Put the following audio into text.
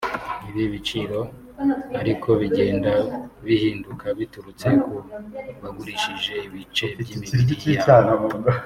Ibi biciro ariko bigenda bihinduka biturutse ku bagurishije ibice by’imibiri yabo